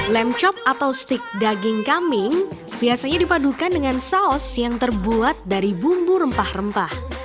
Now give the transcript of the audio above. lemcop atau stik daging kambing biasanya dipadukan dengan saus yang terbuat dari bumbu rempah rempah